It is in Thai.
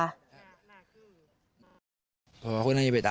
ถูกเซมายังจะใช้ไหล่ถูกอะ